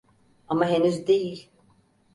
Ama henüz değil.